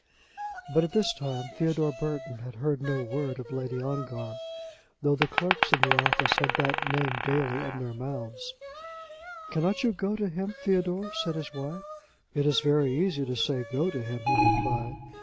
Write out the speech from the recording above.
But at this time Theodore Burton had heard no word of Lady Ongar, though the clerks in the office had that name daily in their mouths. "Cannot you go to him, Theodore?" said his wife. "It is very easy to say go to him," he replied.